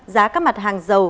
giá các mặt hàng dầu